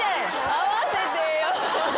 合わせてよ。